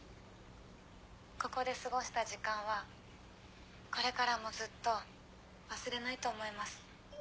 ここで過ごした時間はこれからもずっと忘れないと思います。